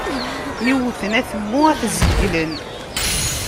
Mi wwten atemmu, ad t-zeglen.